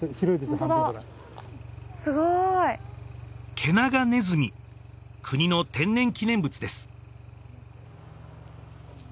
ケナガネズミ国の天然記念物です